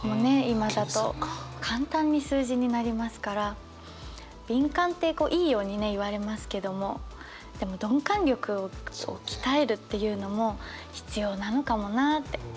今だと簡単に数字になりますから敏感っていいように言われますけどもでも鈍感力を鍛えるっていうのも必要なのかもなって。